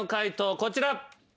こちら。